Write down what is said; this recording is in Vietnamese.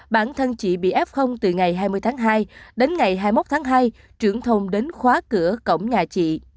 bản thân chị bị ép từ ngày hai mươi tháng hai đến ngày hai mươi một tháng hai trưởng thôn đến khóa cửa cổng nhà chị